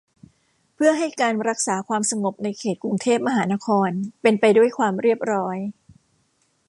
เพื่อให้การรักษาความสงบในเขตกรุงเทพมหานครเป็นไปด้วยความเรียบร้อย